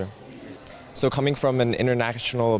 jadi dari background internasional